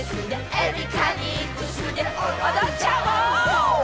「エビカニクスで踊っちゃおう」